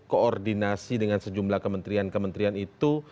koordinasi dengan sejumlah kementerian kementerian itu